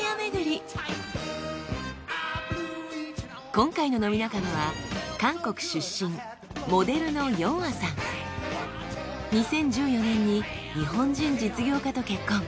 今回の飲み仲間は２０１４年に日本人実業家と結婚。